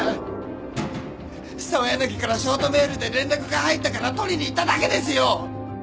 澤柳からショートメールで連絡が入ったから取りに行っただけですよ。